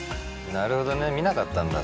なるほどね見なかったんだ